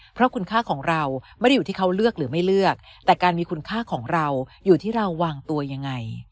เพราะคุณค่าของเราไม่ได้อยู่ที่เขาเลือกหรือไม่เลือกแต่การมีคุณค่าของเราอยู่ที่เราวางตัวยังไง